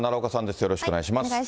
よろしくお願いします。